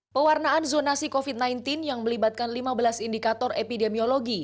pewarnaan zonasi covid sembilan belas yang melibatkan lima belas indikator epidemiologi